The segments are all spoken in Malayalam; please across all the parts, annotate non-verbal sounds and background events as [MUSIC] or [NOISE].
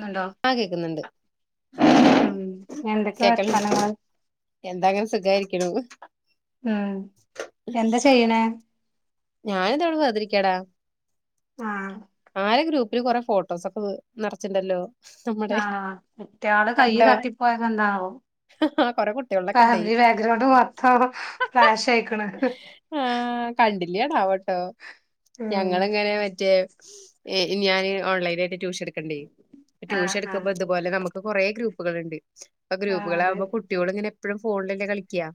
ന്നുണ്ടോ ആഹ് കേക്ക്ന്ന്ണ്ട് ഉം എന്തൊക്കെ കേക്കണ് വർത്താനങ്ങള് എന്താ അങ്ങനെ സുഖായിരിക്കണു ഉം എന്താ ചെയ്യ്ണേ ഞാന്‌താവ്ടെ വെർതെരിയ്ക്കാടാ ആഹ് ആരാ ഗ്രൂപ്പില് കൊറേ ഫോട്ടോസൊക്ക് നറച്ച്ണ്ടല്ലോ ആഹ് കുട്ട്യാള് കയ്യ് തട്ടിപ്പോയതെന്താണാവോ ആഹ് കൊറെ കുട്ട്യോള് ഫാമിലി ബേഗ്രൗണ്ട് മൊത്തം ഫ്ലാഷായ്ക്ക്ണ് ആഹ് കണ്ടിൽ താവട്ടോ ഉം ഞങ്ങള്ങ്ങെനെ മറ്റേ ഇ ഞാന് ഓൺലൈനായ്ട്ട് ട്യൂഷൻട്ക്ക്ണ്ടെ ആഹ് ആഹ് ട്യൂഷൻട്ക്കുമ്പം ഇത്പോലെ നമുക്ക് കാെറേ ഗ്രൂപ്പ്കള്ണ്ട് ഇപ്പ ആഹ് അതെ ഗ്രൂപ്പ്കളാവുമ്പം കുട്ട്യോള്ങ്ങെനെ എപ്പഴും ഫോൺലല്ലെ കളിയ്ക്കാ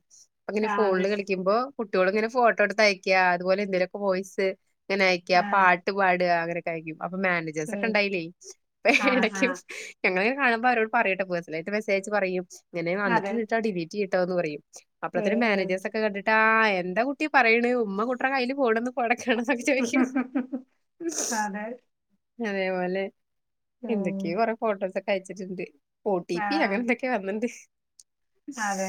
പ്പങ്ങെനെ ആഹ് അതെ ഫോൺല് കളി ക്ക്മ്പോ കുട്ട്യോള്ങ്ങെനെ ഫോട്ടോട്ത്തയക്ക്യാ അതുപോലെ എന്തേലൊക്കെ വോയ്സ് ങ്ങെനെ അയക്ക്യാ ആഹ് പാട്ട് പാടാ അങ്ങനൊക്കെ അയക്ക്യും അപ്പ മാനേ ഉം ജേസെക്കെണ്ടയ്ലെ ആഹ് പ്പേടെക്ക്യു ആഹ് ഞങ്ങള്ങ്ങെനെ കാണ്‌മ്പ അരോട് പറയുംട്ട പേഴ്സണലായിട്ട് മെസ്സേജയച്ച് പറയും ഇങ്ങെനെ അതെ വന്ന്ട്ട്ണ്ട്ട്ടാ ഡിലീറ്റെയ്തോന്ന് പറയും അപ്പ്ളെത്തേനും ഉം മേനേജേഴ്സാെക്കെ കണ്ടിട്ട് ആഹ് എന്ത കുട്ടി പറയ്ണേ ഉമ്മ കുട്ട്ടെ കയ്യില് ഫോണ്ന്ന് പോടക്കാണെന്നൊക്കെ ചോയ്ക്കും ഉം അതെ അതേപോലെ ഉം എന്തൊക്കെയോ കൊറേ ഫോട്ടോസൊക്കെ അയച്ചിട്ട്ണ്ട് ഓ ടി പി ആഹ് അങ്ങെനെന്തെക്കേ വന്ന്ണ്ട് അതെ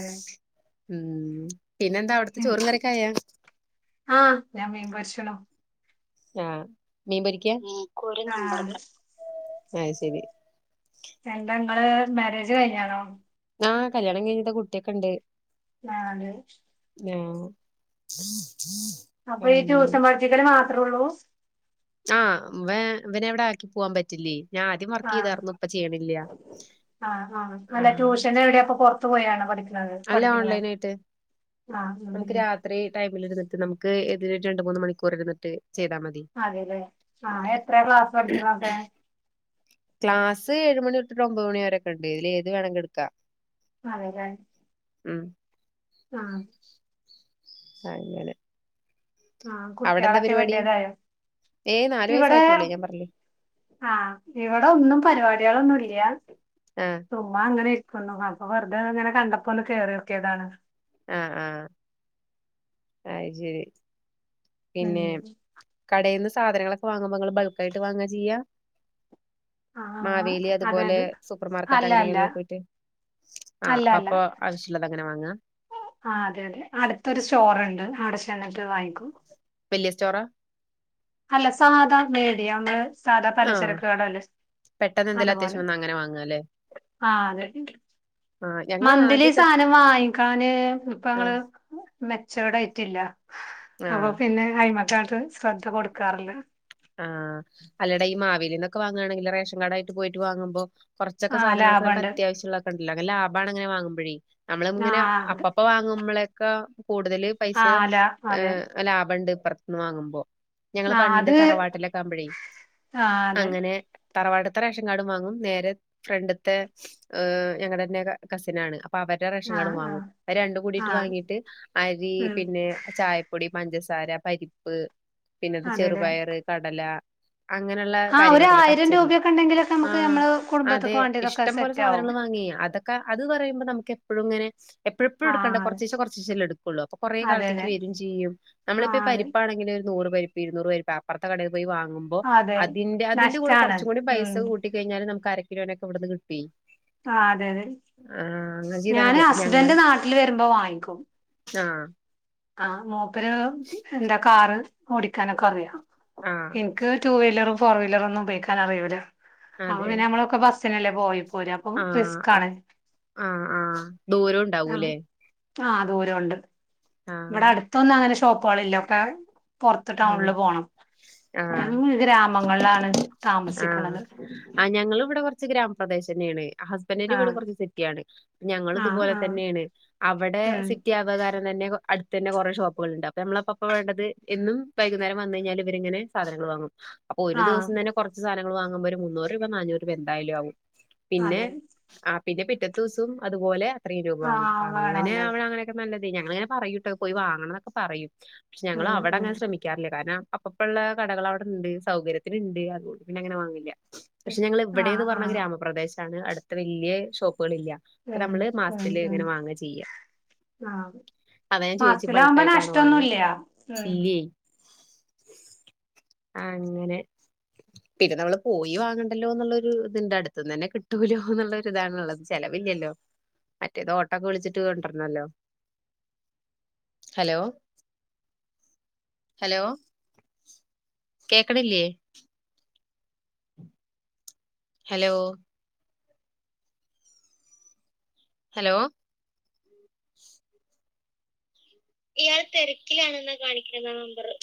ഉം പിന്നെന്താ അവ്ട്ത്തെ ചോറും കറ്യൊക്കായാ ആഹ് ഞാൻ മീൻപൊര്ച്ച്ലു ആഹ് മീൻ പൊരിയ്ക്കാ ക്കൊര് ആഹ് നമ്പറ്ക്കാ അയ് ശെരി എന്ത ഇങ്ങെള് മേരേജ് കയ്ഞ്ഞാണോ ആഹ് കല്യാണം കയ്ഞ്ഞ്ത കുട്ട്യാെക്കെണ്ട് നാല് ആഹ് അപ്പ ഈ ആഹ് റ്റൂഷൻ പഠിപ്പിക്കെല് മാത്രാെള്ളൂ ആഹ് വേ ഇവനെ ഇവിടെ ആക്കി പോവാം പറ്റില്ല്യേ ആഹ് ആഹ് ആഹ് അല്ല ടൂഷനെവിടെ അപ്പൊ പൊറത്ത് പോയാണൊ പഠി അല്ല ഓൺലൈനായ്ട്ട് ആഹ് ഉം നമുക്ക് ഉം രാത്രി ടൈമ്‌ല്ര്ന്നിട്ട് നമു ക്ക് ഇത് രണ്ട് മൂന്ന് മണിക്കൂറിര്ന്ന്ട്ട് ചെയ്താ മ അതേലേ ആഹ് എത്രേ ക്ലാസ് പഠിച്ച്ണാെക്കെ ക്ലാസ് ഏഴുമണി തൊട്ടിട്ട് ഒമ്പത് മണിവരെക്ക്ണ്ട് അയ്ല് ഏത് വേണെങ്കി എട്ക്കാ അതേലെ ഉം ആഹ് അങ്ങെനെ ആഹ് കുട്ട്യാളാെക്കെ വല്ല്യേതായോ ഏയ് ഇവെടേ വയസ്സായിട്ടുള്ളൂ ഞാൻ പറഞ്ഞില്ലേ. ആഹ് ഇവെടെ ഒന്നും പരിപാട്യേളൊന്നുംല്ല്യാ ഏഹ് ചുമ്മാ അങ്ങനെ ഇര്ക്ക്ണതാ അപ്പൊ വെറുതെ ഇങ്ങനെ കണ്ടപ്പോ ഒന്ന് കേറിയൊക്കിയതാണ് ആഹ് ആഹ് അയ് ശെരി ഉം പിന്നെ കടെന്ന് സാധനങ്ങളൊക്കെ വാങ്ങുമ്പോ ങ്ങള് ബൾക്ക് ആയിട്ട് വാങ്ങ ചെയ്യാ ആഹ് മാവേലി അതുപോലെ അതായത് സൂപ്പർ മാർക്കറ്റ് അല്ല അല്ല അങ്ങനിങ്ങനി ഒക്കെ പോയിട്ട് ആഹ് അല്ല അല്ല അപ്പൊ ആവ്ശ്യള്ളതങ്ങനെ മാങ്ങാ ആഹ് അതെ അതെ അടുത്തൊരു സ്റ്റോറുണ്ട് അവിടെ ചെന്നിട്ട് വാങ്ങിക്കും വല്ല്യേ സ്റ്റോറ അല്ല സാധാ മിടിയം അമ്മള് സാധാ ആഹ് പലച്ചെരക്ക് കടല്ലേ പെട്ടെന്ന് എന്തെലും അതുപോലെ അത്യാവശ്യം വന്നാ അങ്ങനെ വാങ്ങാല്ലേ? ആഹ് അതെ ആഹ് ഞങ്ങള് മന്ത്ലി ആദ്യൊക്കെ സാനം വാങ്ങിക്കാന് ഇപ്പ അമ്മള് ആഹ് മെച്ചോർഡ് ആയിട്ടില്ല അപ്പൊ ആഹ് പിന്നെ അയ്മക്കങ്ങട്ട് ശ്രദ്ധ കൊട്ക്കാറില്ല ആഹ് അല്ലട ഈ മാവേലിന്നൊക്കെ വാങ്ങാണെങ്കില് റേഷൻ കാഡ് ആയിട്ട് പോയിട്ട് വാങ്ങുമ്പോ കൊറച്ചൊക്കെ ആഹ് സാധനങ്ങൾക്ക് ഞമ്മക്ക് ലാഭണ്ട് അത്യാവിശ്യള്ളക്കണ്ടല്ലോ നല്ല ലാഭാണ് അങ്ങനെ വാങ്ങുമ്പഴേയ് നമ്മള് ഇങ്ങനെ ആഹ് അപ്പ അത് പ്പം അപ്പ വാങ്ങുമ്പോളൊക്കാ കൂടുതൽ പൈസ ആഹ് ലാ അതെ ഏഹ് ലാഭണ്ട് ഇപ്പറ്ത്ത്ന്ന് വാങ്ങുമ്പോ ഞങ്ങള് ആഹ് പണ്ട് അത് തറവാട്ടിലൊക്കെ ആവുമ്പഴേ ആഹ് അതെ അങ്ങനെ തറവാട്ത്തെ റേഷൻ കാഡും വാങ്ങും നേരെ ഫ്രണ്ട്ത്തെ ഏഹ് ഞങ്ങടന്നെ കസിനാണ് അപ്പ അവരെ അവര റേഷൻ കാഡും ആഹ് വാങ്ങും ആഹ് അഹ് രണ്ടും കൂടിട്ട് ആഹ് വാങ്ങിട്ട് അരി ഉം പിന്നെ ചായപ്പൊ ചായപ്പൊടി പഞ്ചസാര പരിപ്പ് പിന്നെ അതെല്ലേ ചെറുപയറ് കടല അങ്ങനെള്ള ആഹ് ഒരു കാര്യങ്ങളൊക്കല്ലേ ആയിരം പച്ചരി രൂപയൊക്കെ ഉണ്ടെങ്കിലൊക്കെ നമുക്ക് ആഹ് നമ്മള് അതെ കുടുംബത്ത്ക്ക് വേണ്ടിയതൊക്കെ ഇഷ്ടം പോലെ സെറ്റ് ആവും സാധനങ്ങൾ വാങ്ങേയ് അതക്ക അതക്കാ അത് പറയുമ്പോ നമ്മക്ക് എപ്പഴും ഇങ്ങനെ എപ്പഴെപ്പഴും എട്ക്കണ്ട ആഹ് കൊറച്ചിച്ചെ കൊർച്ചീച്ചെല്ലേ എടുക്കുള്ളൂ അപ്പൊ കൊറെ അതെ അതെ കാലത്തേക്ക് അതെ വരും ചെയ്യും നമ്മളിപ്പോ ഈ ആഹ് അതെ പരിപ്പാണെങ്കില് ഒരു നൂറ് പരിപ്പ് ഇരുന്നൂറ് പരിപ്പ് അപ്പറത്തെ കടേ പോയി വാങ്ങും വാങ്ങുമ്പോ അതെ അതിന്റെ അതിന്റെ കൂടെ നഷ്ടാണ് കുറച്ചു കൂടി ഉം പൈസ കൂട്ടിക്കഴിഞ്ഞാല് നമ്മുക്ക് അരക്കിലോനൊക്കെ ഇവിട്ന്ന് കിട്ടും ആഹ് അതെ അതെ ആഹ് അങ്ങനെ ചെയ്താൽ ഞാന് മതി അപ്പൊ ഞങ്ങൾ ഹസ്ബൻറ് നാട്ടിൽ വരുമ്പോ വാങ്ങിക്കും ആഹ് ആഹ് മൂപ്പര് എന്താ കാറ് ഓടിക്കാനൊക്കെ അറിയ ആഹ് ഇന്ക്ക് ടുവീലറും ഫോർ വീലറും ഒന്നും ഉപയോഗിക്കാൻ അറിയൂല അപ്പൊ അതെ പിന്നെ നമ്മളൊക്കെ ബസ്സിനല്ലേ പോല് പോലാപ്പൊ ആഹ് റിസ്ക് ആണ് ആഹ് ആഹ് ദൂരം ആഹ് ഉണ്ടാവൂലേ ആഹ് ദൂരോണ്ട് ഇവിടെ ആഹ് അടുത്തൊന്നും അങ്ങനെ ഷോപ്പാളില്ല ഒക്കെ പൊറത്ത് ആഹ് ടൗണില് പോണം ആഹ് ഞങ്ങൾ ഗ്രാമങ്ങളിലാണ് ആഹ് താമസിക്ക്ണത് ആഹ് ഞങ്ങളും ഇവിടെ കുറച്ച് ഗ്രാമപ്രദേശംന്നെണ് ആഹ് ഹസ്ബന്റിന്റെ വീട് ആഹ് കൊറ്ച്ച് സിറ്റിയാണ് ഞങ്ങളും ആഹ് ഇതുപോലെ ആഹ് തന്നെണ് അവിടെ ഉം സിറ്റി ആവന്നറിണെന്നെ അട് തന്നെ കൊറെ ഷോപ്പുകള്ണ്ട് അപ്പൊ നമ്മളപ്പപ്പ വേണ്ടത് എന്നും വൈകുന്നേരം വന്ന് കയിഞ്ഞാൽ ഇവരിങ്ങനെ സാധനങ്ങൾ വാങ്ങും അപ്പൊ ഒരു ആഹ് ദിവസം തന്നെ കുറച്ച് സാധങ്ങൾ വാങ്ങുമ്പോ ഒരു മുന്നൂറ് രൂപ നാന്നൂറ് രൂപ എന്തായാലും ആവും പിന്നെ അതെ ആഹ് പിന്നെ പിറ്റത്തെ ദിവസും അതുപോലെ അത്രയും രൂപ വാങ്ങ ആഹ് അപ്പൊ അങ്ങനെ വേണമല്ലോ അവട അങ്ങനെ എല്ലാറ്ക്കും നല്ലതേയ് ഞങ്ങളിങ്ങനെ പറയുട്ടോ പോയി വാങ്ങണംന്നൊക്കെ പറയും പക്ഷെ ഞങ്ങൾ ഉം അവടെ ഉം അങ്ങനെ ശ്രമിക്ക ശ്രമിക്കാറില്ല കാരണം അപ്പപ്പള്ള കടകൾ അവിടെണ്ട് സൗകര്യത്തിന്ണ്ട് അതുകൊണ്ട് പിന്നെ അങ്ങനെ വാങ്ങില്ല പക്ഷെ ഞങ്ങള് ആഹ് ഇവിടെന്ന് പറഞ്ഞ ആഹ് ഗ്രാമപ്രദേശാണ് അടുത്ത് വല്ല്യേ ഷോപ്പുകളില്ല്യ അപ്പ ഉം നമ്മള് ഉം മാസത്തില് ഉം ഇങ്ങനെ വാങ്ങ ചെയ്യ ആഹ് അതാ ഞാൻ ചോയ്ച്ച് ബൾക്ക് മാസത്തിലാവുമ്പോ ആയിട്ടാണോ വാങ്ങാന്ന് നഷ്ടൊന്നുല്ല ഉം ഇല്യയ്‌ ആഹ് അങ്ങനെ പിന്നെ നമ്മള് പോയി വാങ്ങണ്ടല്ലോ എന്നുള്ളരു ഇത്ണ്ട് അട്ത്ത്ന്നന്നെ കിട്ടൂലോ ന്ന്ള്ള ഇതാണുള്ളത്. ചെലവില്ലല്ലോ മറ്റേത് ഓട്ടൊക്കെ വിളിച്ചിട്ട് കൊണ്ടര്നല്ലോ. ഹലോ ഹലോ കേക്ക്ണില്ല്യേ? ഹലോ ഹലോ [INAUDIBLE] ഇയാൾ തെരക്കിലാണെന്നാ കാണിക്ക്ന്നാ നമ്പറ്.